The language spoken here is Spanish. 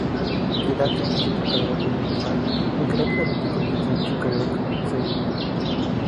Hidaka empezó su carrera como un fan, aunque rápidamente comienza su carrera como seiyu.